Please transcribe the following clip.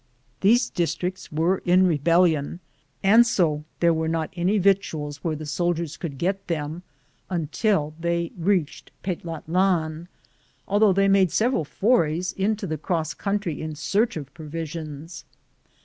These districts were in rebellion, and so there were not any victuals where the Holdiers could get them until they reached Petlatlan, although they made sev eral forays into the cross country in search of provisions.